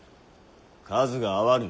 数が合わぬ。